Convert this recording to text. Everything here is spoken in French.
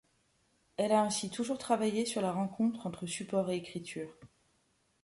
Elle a ainsi toujours travaillé sur la rencontre entre supports et écriture.